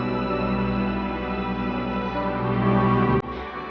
aku gak pernah sedih